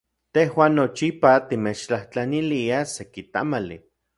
Tejuan nochipa timechtlajtlaniliaj seki tamali.